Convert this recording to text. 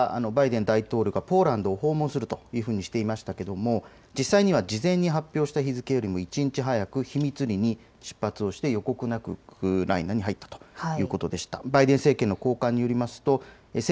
アメリカ政府はバイデン大統領がポーランドを訪問するというふうにしていましたが実際には事前に発表した日付よりも１日早く秘密裏に出発をして予告なくウクライナに入ったということでした。